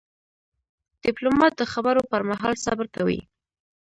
ډيپلومات د خبرو پر مهال صبر کوي.